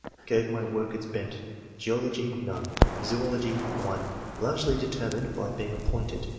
gave my work its bent. Geology. — ^None. Zoology. — (1) Largely determined by being appointed